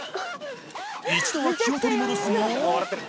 一度は気を取り戻すも。